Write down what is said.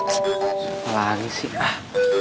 siapa lagi sih